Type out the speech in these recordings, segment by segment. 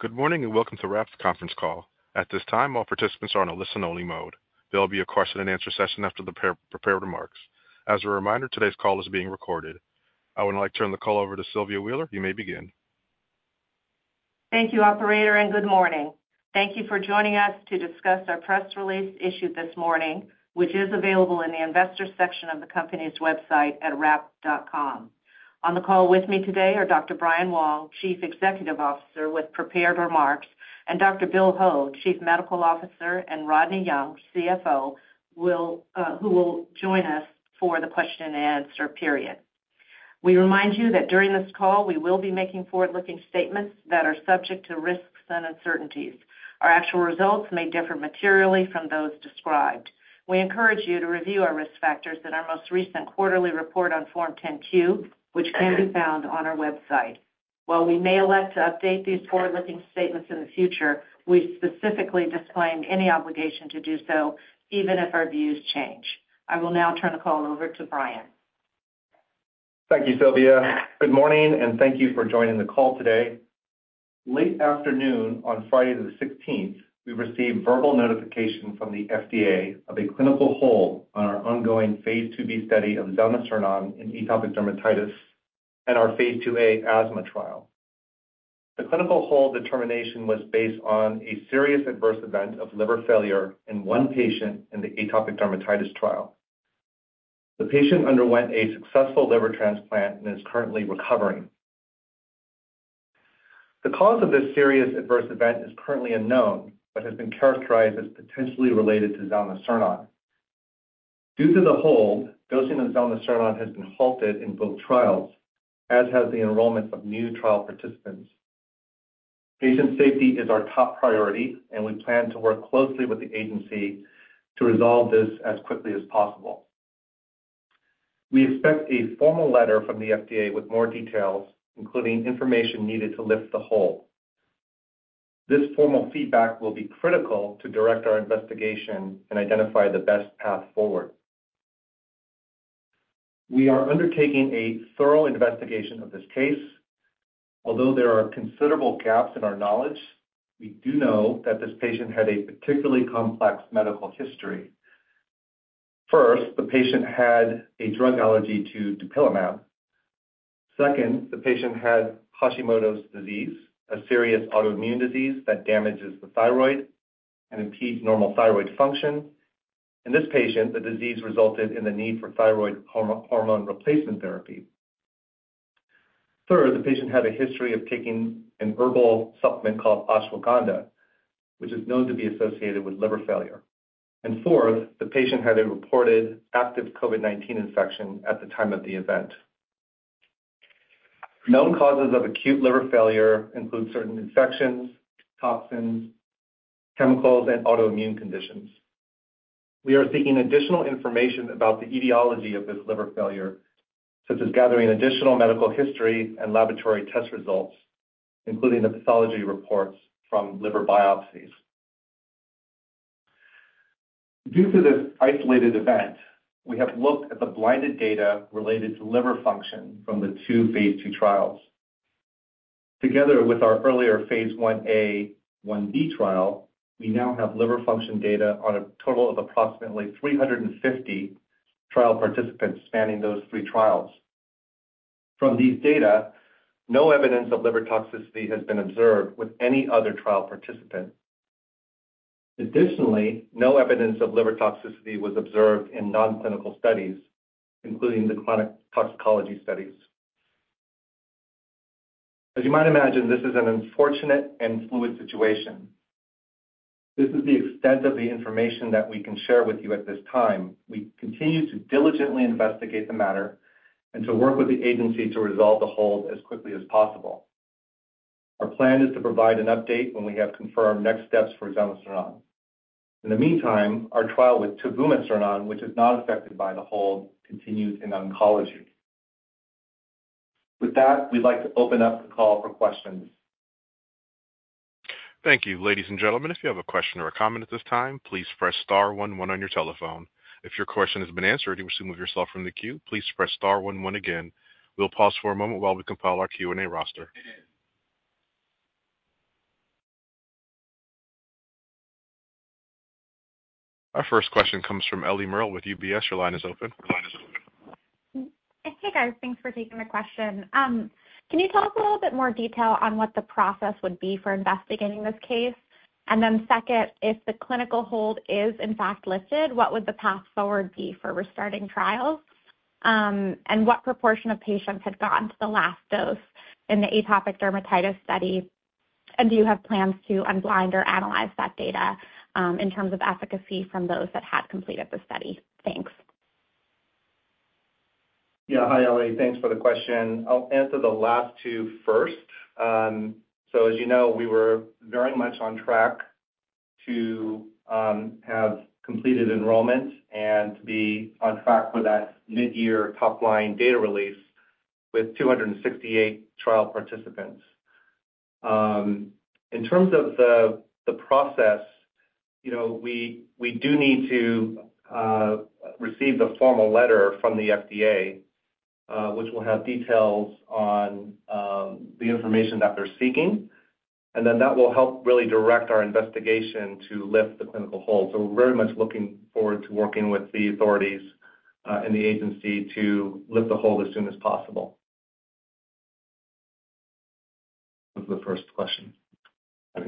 Good morning, and welcome to RAPT's conference call. At this time, all participants are on a listen-only mode. There will be a question-and-answer session after the pre-prepared remarks. As a reminder, today's call is being recorded. I would now like to turn the call over to Sylvia Wheeler. You may begin. Thank you, operator, and good morning. Thank you for joining us to discuss our press release issued this morning, which is available in the investors section of the company's website at rapt.com. On the call with me today are Dr. Brian Wong, Chief Executive Officer, with prepared remarks, and Dr. Bill Ho, Chief Medical Officer, and Rodney Young, CFO, will, who will join us for the question-and-answer period. We remind you that during this call, we will be making forward-looking statements that are subject to risks and uncertainties. Our actual results may differ materially from those described. We encourage you to review our risk factors in our most recent quarterly report on Form 10-Q, which can be found on our website. While we may elect to update these forward-looking statements in the future, we specifically disclaim any obligation to do so, even if our views change. I will now turn the call over to Brian. Thank you, Sylvia. Good morning, and thank you for joining the call today. Late afternoon on Friday the 16th, we received verbal notification from the FDA of a clinical hold on our ongoing phase II-B study of zelnecirnon in atopic dermatitis and our phase II-A asthma trial. The clinical hold determination was based on a serious adverse event of liver failure in one patient in the atopic dermatitis trial. The patient underwent a successful liver transplant and is currently recovering. The cause of this serious adverse event is currently unknown but has been characterized as potentially related to zelnecirnon. Due to the hold, dosing of zelnecirnon has been halted in both trials, as has the enrollment of new trial participants. Patient safety is our top priority, and we plan to work closely with the agency to resolve this as quickly as possible. We expect a formal letter from the FDA with more details, including information needed to lift the hold. This formal feedback will be critical to direct our investigation and identify the best path forward. We are undertaking a thorough investigation of this case. Although there are considerable gaps in our knowledge, we do know that this patient had a particularly complex medical history. First, the patient had a drug allergy to dupilumab. Second, the patient had Hashimoto's disease, a serious autoimmune disease that damages the thyroid and impedes normal thyroid function. In this patient, the disease resulted in the need for thyroid hormone, hormone replacement therapy. Third, the patient had a history of taking an herbal supplement called ashwagandha, which is known to be associated with liver failure. And fourth, the patient had a reported active COVID-19 infection at the time of the event. Known causes of acute liver failure include certain infections, toxins, chemicals, and autoimmune conditions. We are seeking additional information about the etiology of this liver failure, such as gathering additional medical history and laboratory test results, including the pathology reports from liver biopsies. Due to this isolated event, we have looked at the blinded data related to liver function from the two phase II trials. Together with our earlier phase I-A/I-B trial, we now have liver function data on a total of approximately 350 trial participants spanning those three trials. From these data, no evidence of liver toxicity has been observed with any other trial participant. Additionally, no evidence of liver toxicity was observed in non-clinical studies, including the chronic toxicology studies. As you might imagine, this is an unfortunate and fluid situation. This is the extent of the information that we can share with you at this time. We continue to diligently investigate the matter and to work with the agency to resolve the hold as quickly as possible. Our plan is to provide an update when we have confirmed next steps for zelnecirnon. In the meantime, our trial with tivumecirnon, which is not affected by the hold, continues in oncology. With that, we'd like to open up the call for questions. Thank you. Ladies and gentlemen, if you have a question or a comment at this time, please press star one one on your telephone. If your question has been answered, or you wish to remove yourself from the queue, please press star one one again. We'll pause for a moment while we compile our Q&A roster. Our first question comes from Eliana Merle with UBS. Your line is open. Hey, guys. Thanks for taking the question. Can you tell us a little bit more detail on what the process would be for investigating this case? And then second, if the clinical hold is in fact lifted, what would the path forward be for restarting trials? And what proportion of patients had gotten to the last dose in the atopic dermatitis study? And do you have plans to unblind or analyze that data, in terms of efficacy from those that had completed the study? Thanks. Yeah. Hi, Ellie. Thanks for the question. I'll answer the last two first. So as you know, we were very much on track to have completed enrollment and to be on track for that mid-year top-line data release with 268 trial participants. In terms of the process, you know, we do need to receive the formal letter from the FDA, which will have details on the information that they're seeking, and then that will help really direct our investigation to lift the clinical hold. So we're very much looking forward to working with the authorities and the agency to lift the hold as soon as possible. What was the first question? What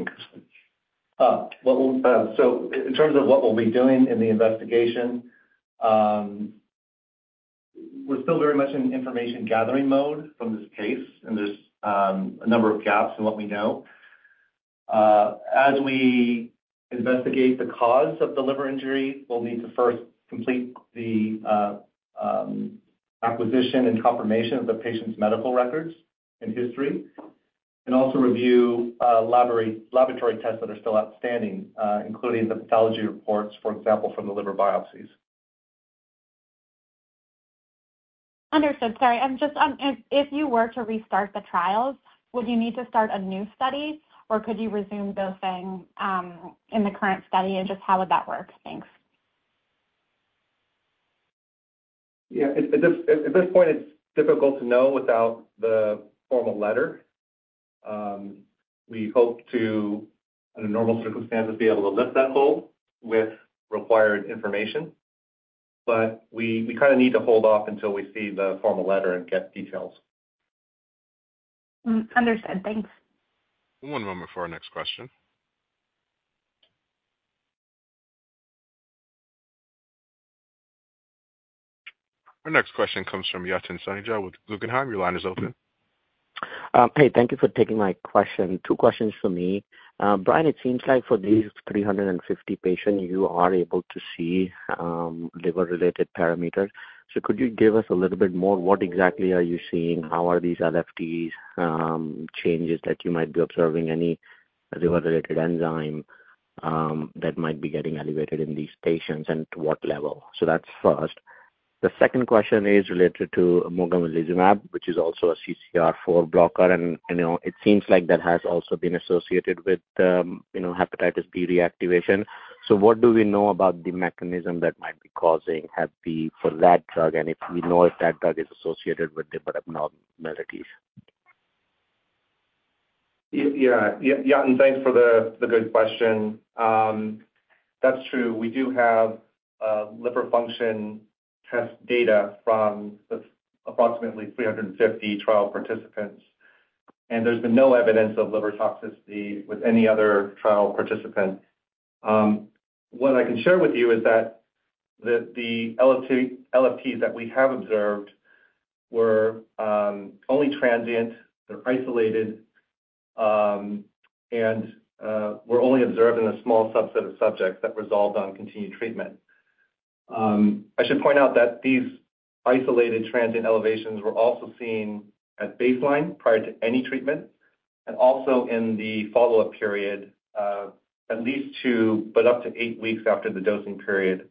we'll, so in terms of what we'll be doing in the investigation, we're still very much in information gathering mode from this case, and there's a number of gaps in what we know. As we investigate the cause of the liver injury, we'll need to first complete the acquisition and confirmation of the patient's medical records and history, and also review laboratory tests that are still outstanding, including the pathology reports, for example, from the liver biopsies. Understood. Sorry, I'm just if you were to restart the trials, would you need to start a new study, or could you resume dosing in the current study, and just how would that work? Thanks. Yeah, at this point, it's difficult to know without the formal letter. We hope to, under normal circumstances, be able to lift that hold with required information, but we kind of need to hold off until we see the formal letter and get details. Understood. Thanks. One moment for our next question. Our next question comes from Yatin Suneja with Guggenheim. Your line is open. Hey, thank you for taking my question. Two questions for me. Brian, it seems like for these 350 patients, you are able to see liver-related parameters. So could you give us a little bit more? What exactly are you seeing? How are these LFTs changes that you might be observing, any liver-related enzyme that might be getting elevated in these patients and to what level? So that's first. The second question is related to mogamulizumab, which is also a CCR4 blocker, and, you know, it seems like that has also been associated with, you know, Hepatitis B reactivation. So what do we know about the mechanism that might be causing Hep B for that drug, and if we know if that drug is associated with liver abnormalities? Yeah. Yeah, Yatin, thanks for the good question. That's true. We do have liver function test data from the approximately 350 trial participants, and there's been no evidence of liver toxicity with any other trial participant. What I can share with you is that the LFTs that we have observed were only transient, they're isolated, and were only observed in a small subset of subjects that resolved on continued treatment. I should point out that these isolated transient elevations were also seen at baseline prior to any treatment and also in the follow-up period, at least 2, but up to 8 weeks after the dosing period,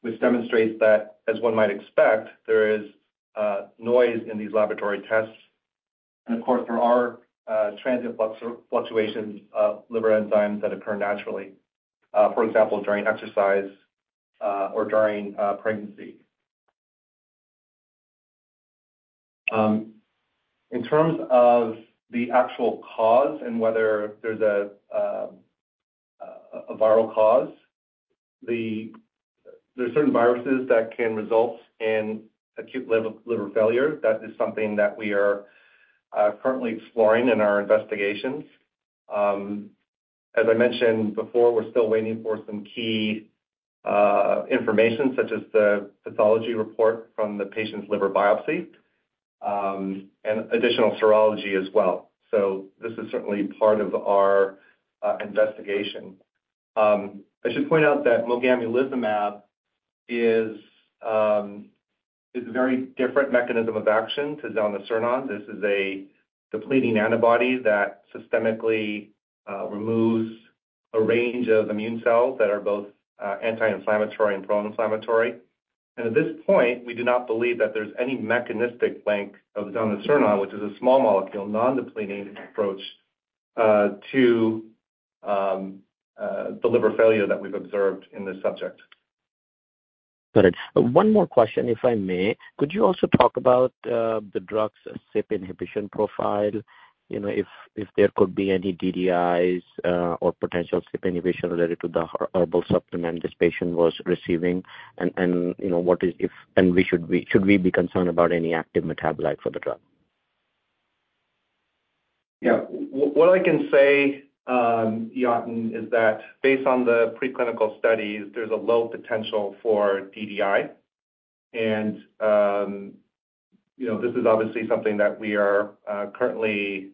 which demonstrates that, as one might expect, there is noise in these laboratory tests. And of course, there are transient fluctuations of liver enzymes that occur naturally, for example, during exercise or during pregnancy. In terms of the actual cause and whether there's a viral cause, there's certain viruses that can result in acute liver failure. That is something that we are currently exploring in our investigations. As I mentioned before, we're still waiting for some key information, such as the pathology report from the patient's liver biopsy and additional serology as well. So this is certainly part of our investigation. I should point out that mogamulizumab is a very different mechanism of action to zelnecirnon. This is a depleting antibody that systemically removes a range of immune cells that are both anti-inflammatory and pro-inflammatory. At this point, we do not believe that there's any mechanistic link of zelnecirnon, which is a small molecule, non-depleting approach, to the liver failure that we've observed in this subject. Got it. One more question, if I may. Could you also talk about the drug's CYP inhibition profile? You know, if there could be any DDIs or potential CYP inhibition related to the herbal supplement this patient was receiving, and, you know, what if, and should we be concerned about any active metabolite for the drug? Yeah. What I can say, Yatin, is that based on the preclinical studies, there's a low potential for DDI. And, you know, this is obviously something that we are currently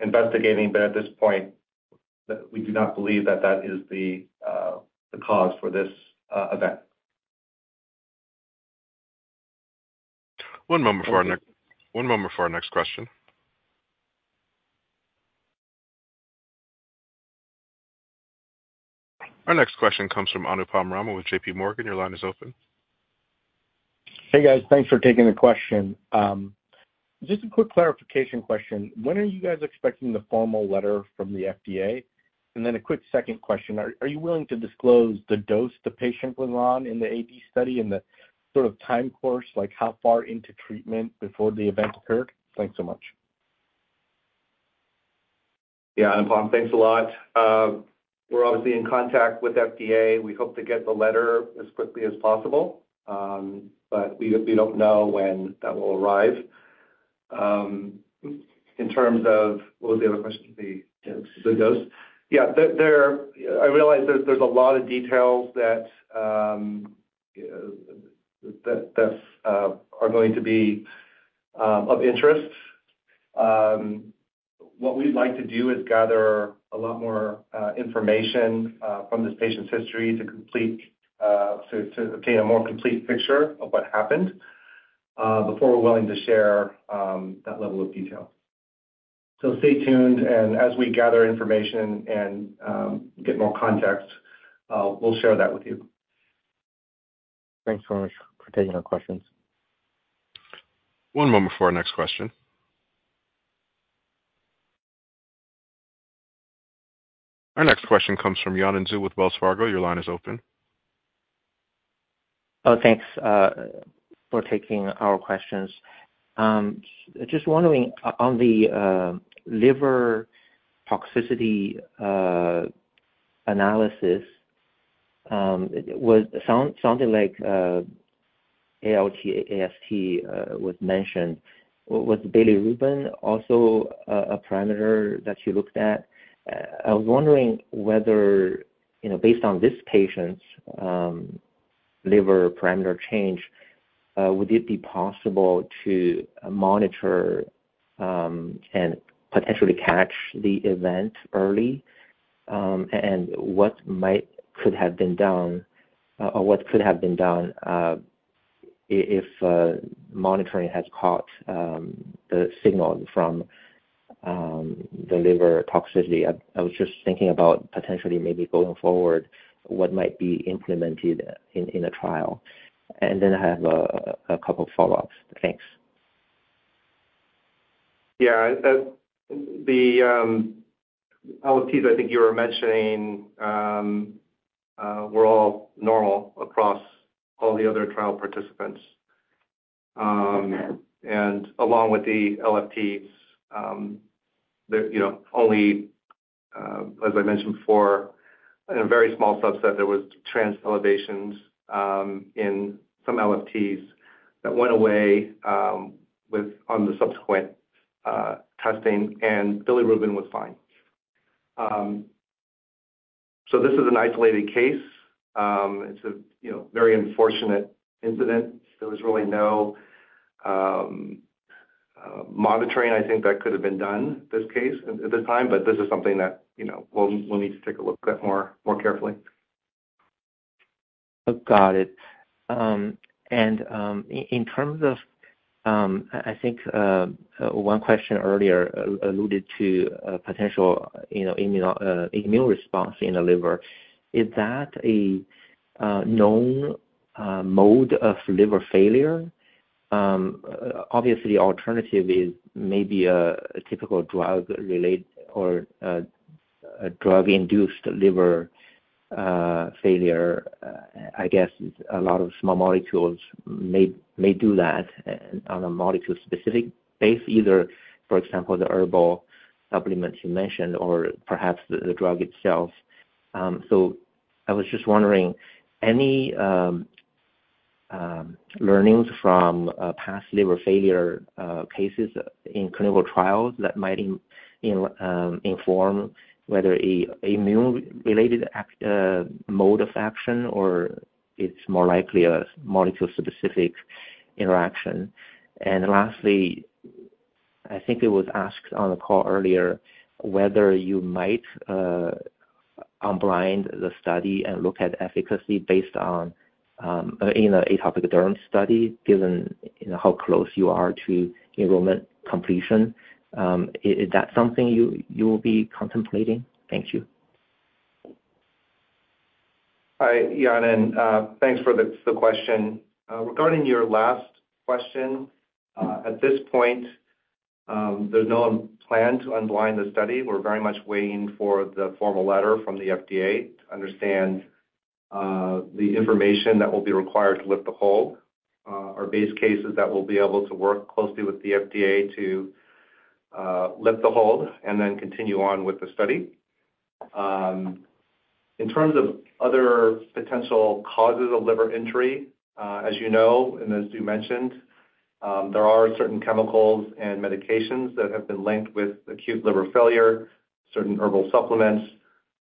investigating, but at this point, we do not believe that that is the cause for this event. One moment before our next... One moment before our next question. Our next question comes from Anupam Sharma with JPMorgan. Your line is open.... Hey, guys. Thanks for taking the question. Just a quick clarification question. When are you guys expecting the formal letter from the FDA? And then a quick second question, are you willing to disclose the dose the patient went on in the AB study and the sort of time course, like how far into treatment before the event occurred? Thanks so much. Yeah, Anupam, thanks a lot. We're obviously in contact with FDA. We hope to get the letter as quickly as possible, but we don't know when that will arrive. In terms of what was the other question? The dose. Yeah, I realize there's a lot of details that are going to be of interest. What we'd like to do is gather a lot more information from this patient's history to obtain a more complete picture of what happened before we're willing to share that level of detail. So stay tuned, and as we gather information and get more context, we'll share that with you. Thanks so much for taking our questions. One moment before our next question. Our next question comes from Yanan Zhu with Wells Fargo. Your line is open. Oh, thanks for taking our questions. Just wondering, on the liver toxicity analysis, it was something like ALT, AST was mentioned. Was bilirubin also a parameter that you looked at? I was wondering whether, you know, based on this patient's liver parameter change, would it be possible to monitor and potentially catch the event early? And what might could have been done, or what could have been done, if monitoring had caught the signal from the liver toxicity? I was just thinking about potentially maybe going forward, what might be implemented in a trial. And then I have a couple follow-ups. Thanks. Yeah, the LFTs, I think you were mentioning, were all normal across all the other trial participants. And along with the LFTs, there, you know, only, as I mentioned before, in a very small subset, there was transient elevations in some LFTs that went away with on the subsequent testing, and bilirubin was fine. So this is an isolated case. It's a, you know, very unfortunate incident. There was really no monitoring, I think, that could have been done this case at the time, but this is something that, you know, we'll need to take a look at more carefully. Got it. And in terms of, I think, one question earlier, alluded to a potential, you know, immune response in the liver. Is that a known mode of liver failure? Obviously, alternative is maybe a typical drug-related or a drug-induced liver failure. I guess a lot of small molecules may do that on a molecule-specific base, either, for example, the herbal supplements you mentioned or perhaps the drug itself. So I was just wondering, any learnings from past liver failure cases in clinical trials that might inform whether a immune-related act mode of action or it's more likely a molecule-specific interaction? Lastly, I think it was asked on the call earlier whether you might unblind the study and look at efficacy based on in a atopic dermatitis study, given, you know, how close you are to enrollment completion. Is that something you will be contemplating? Thank you. Hi, Yanan. Thanks for the question. Regarding your last question, at this point, there's no plan to unblind the study. We're very much waiting for the formal letter from the FDA to understand the information that will be required to lift the hold, or base cases that will be able to work closely with the FDA to lift the hold and then continue on with the study. In terms of other potential causes of liver injury, as you know, and as you mentioned, there are certain chemicals and medications that have been linked with acute liver failure, certain herbal supplements,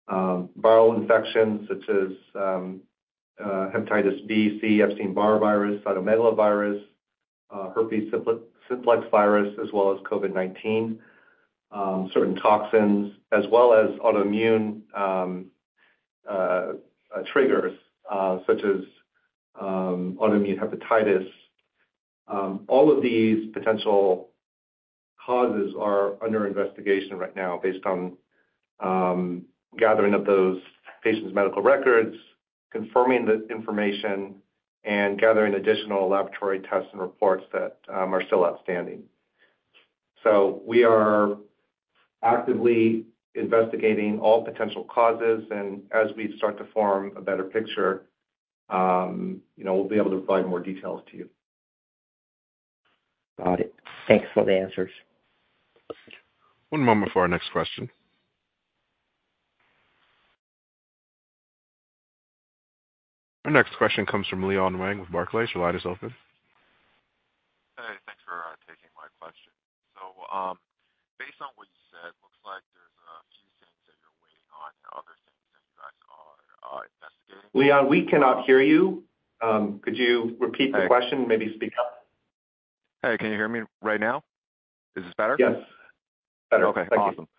viral infections such as hepatitis B, C, Epstein-Barr virus, cytomegalovirus, herpes simplex virus, as well as COVID-19, certain toxins, as well as autoimmune triggers, such as autoimmune hepatitis. All of these potential causes are under investigation right now based on gathering of those patients' medical records, confirming the information, and gathering additional laboratory tests and reports that are still outstanding. So we are actively investigating all potential causes, and as we start to form a better picture, you know, we'll be able to provide more details to you. Got it. Thanks for the answers. One moment for our next question. Our next question comes from Leon Wang with Barclays. Your line is open. Hey, thanks for taking my question. So, based on what you said, looks like there's a few things that you're waiting on and other things that you guys are investigating- Leon, we cannot hear you. Could you repeat the question? Hey. Maybe speak up. Hey, can you hear me right now? Is this better? Yes. Better. Okay, awesome. Thank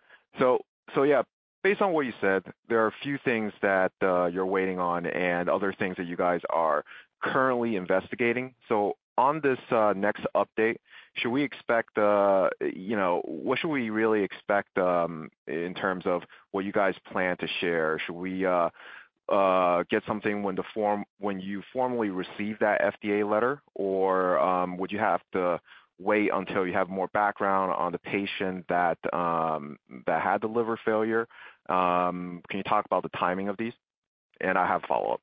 you. So yeah, based on what you said, there are a few things that you're waiting on and other things that you guys are currently investigating. So on this next update, should we expect, you know, what should we really expect in terms of what you guys plan to share? Should we get something when you formally receive that FDA letter, or would you have to wait until you have more background on the patient that had the liver failure? Can you talk about the timing of these? And I have a follow-up.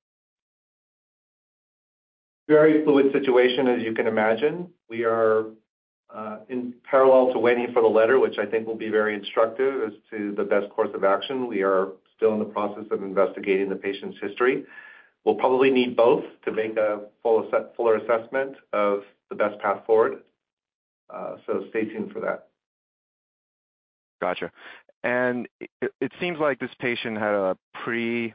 Very fluid situation, as you can imagine. We are in parallel to waiting for the letter, which I think will be very instructive as to the best course of action. We are still in the process of investigating the patient's history. We'll probably need both to make a fuller assessment of the best path forward, so stay tuned for that. Gotcha. And it seems like this patient had a pretty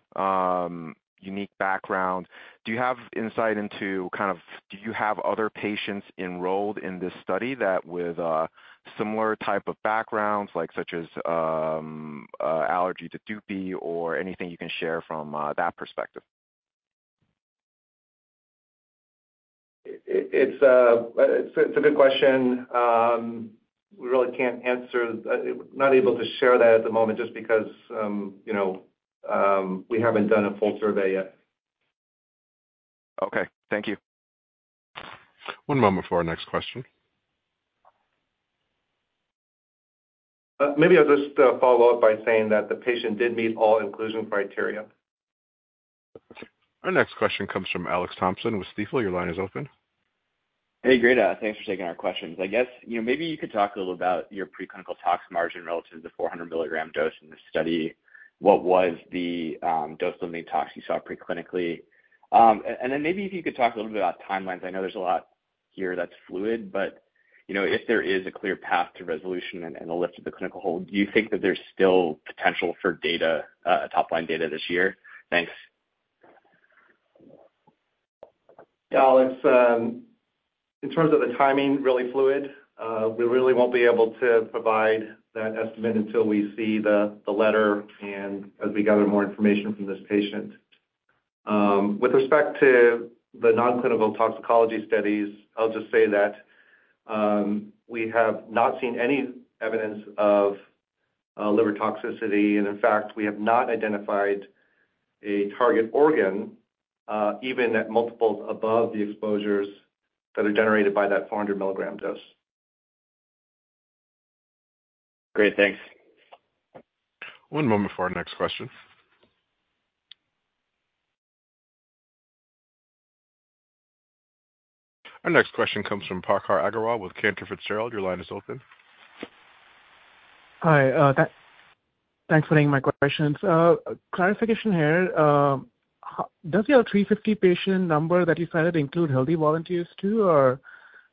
unique background. Do you have insight into kind of... Do you have other patients enrolled in this study that with similar type of backgrounds, like, such as, allergy to Dupi or anything you can share from that perspective? It's a good question. We really can't answer. Not able to share that at the moment just because, you know, we haven't done a full survey yet. Okay, thank you. One moment for our next question. Maybe I'll just follow up by saying that the patient did meet all inclusion criteria. Our next question comes from Alex Thompson with Stifel. Your line is open. Hey, great. Thanks for taking our questions. I guess, you know, maybe you could talk a little about your preclinical tox margin relative to the 400 mg dose in this study. What was the dose-limiting tox you saw preclinically? And then maybe if you could talk a little bit about timelines. I know there's a lot here that's fluid, but, you know, if there is a clear path to resolution and a lift of the clinical hold, do you think that there's still potential for data, top-line data this year? Thanks. Yeah, Alex, in terms of the timing, really fluid. We really won't be able to provide that estimate until we see the letter and as we gather more information from this patient. With respect to the non-clinical toxicology studies, I'll just say that we have not seen any evidence of liver toxicity, and in fact, we have not identified a target organ even at multiples above the exposures that are generated by that 400 mg dose. Great. Thanks. One moment for our next question. Our next question comes from Prakhar Agrawal with Cantor Fitzgerald. Your line is open. Hi, thanks for taking my questions. Clarification here. Does your 350 patient number that you cited include healthy volunteers, too, or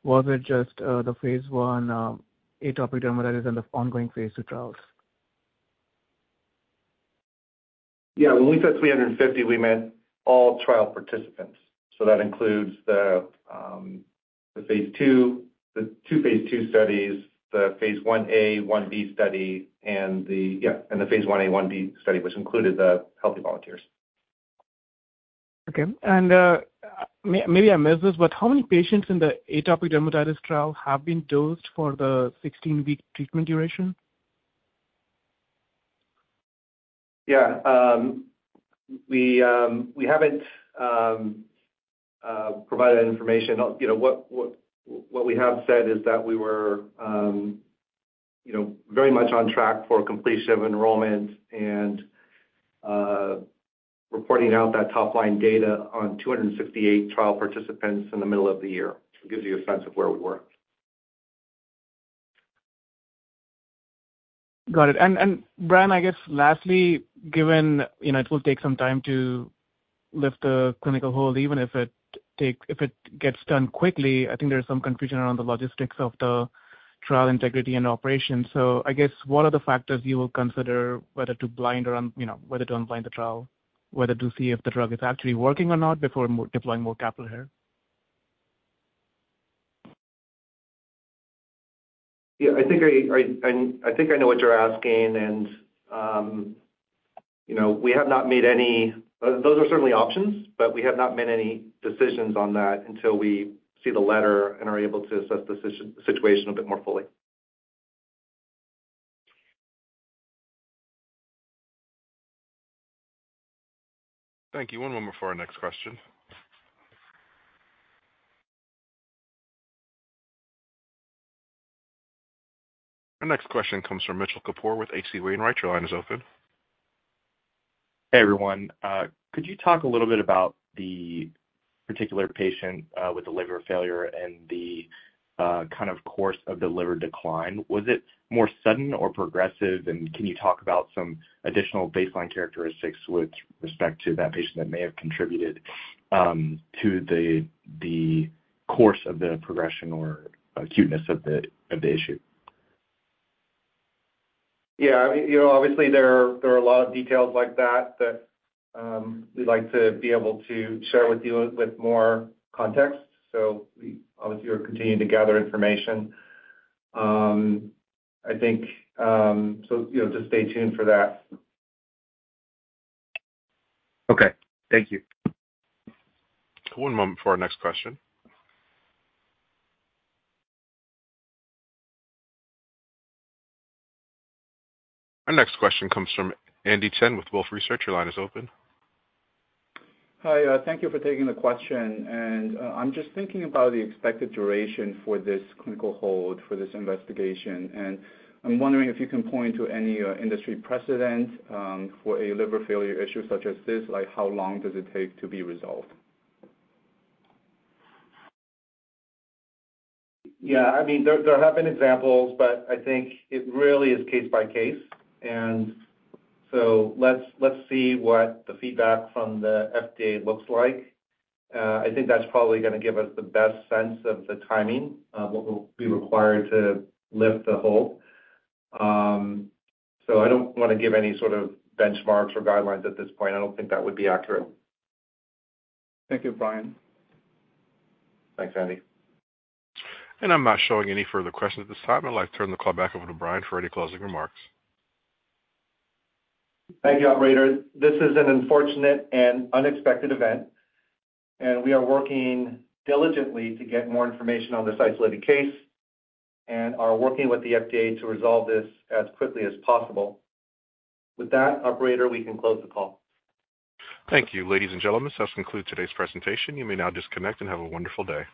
was it just the phase I, atopic dermatitis and the ongoing phase II trials? Yeah, when we said 350, we meant all trial participants, so that includes the phase II, the two phase II studies, the phase I-A/I-B study, which included the healthy volunteers. Okay. And, maybe I missed this, but how many patients in the atopic dermatitis trial have been dosed for the 16-week treatment duration? Yeah, we haven't provided that information. You know, what we have said is that we were, you know, very much on track for completion of enrollment and reporting out that top-line data on 268 trial participants in the middle of the year. It gives you a sense of where we were. Got it. And Brian, I guess lastly, given, you know, it will take some time to lift the clinical hold, even if it gets done quickly, I think there is some confusion around the logistics of the trial integrity and operation. So I guess, what are the factors you will consider? You know, whether to unblind the trial, whether to see if the drug is actually working or not before deploying more capital here? Yeah, I think I know what you're asking, and you know, we have not made any, those are certainly options, but we have not made any decisions on that until we see the letter and are able to assess the situation a bit more fully. Thank you. One moment for our next question. Our next question comes from Mitchell Kapoor with H.C. Wainwright. Your line is open. Hey, everyone. Could you talk a little bit about the particular patient with the liver failure and the kind of course of the liver decline? Was it more sudden or progressive? And can you talk about some additional baseline characteristics with respect to that patient that may have contributed to the course of the progression or acuteness of the issue? Yeah, you know, obviously, there are a lot of details like that that we'd like to be able to share with you with more context. So we obviously are continuing to gather information. I think, so, you know, just stay tuned for that. Okay. Thank you. One moment before our next question. Our next question comes from Andy Chen with Wolfe Research. Your line is open. Hi, thank you for taking the question. I'm just thinking about the expected duration for this clinical hold for this investigation, and I'm wondering if you can point to any industry precedent for a liver failure issue such as this. Like, how long does it take to be resolved? Yeah, I mean, there have been examples, but I think it really is case by case. So let's see what the feedback from the FDA looks like. I think that's probably gonna give us the best sense of the timing, what will be required to lift the hold. So I don't wanna give any sort of benchmarks or guidelines at this point. I don't think that would be accurate. Thank you, Brian. Thanks, Andy. And I'm not showing any further questions at this time. I'd like to turn the call back over to Brian for any closing remarks. Thank you, operator. This is an unfortunate and unexpected event, and we are working diligently to get more information on this isolated case and are working with the FDA to resolve this as quickly as possible. With that, operator, we can close the call. Thank you, ladies and gentlemen, this concludes today's presentation. You may now disconnect and have a wonderful day.